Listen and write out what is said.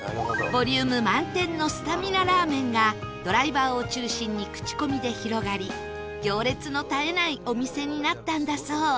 ボリューム満点のスタミナラーメンがドライバーを中心に口コミで広がり行列の絶えないお店になったんだそう